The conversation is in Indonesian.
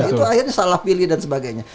itu akhirnya salah pilih dan sebagainya